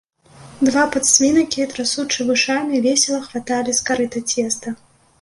Два падсвінакі, трасучы вушамі, весела хваталі з карыта цеста.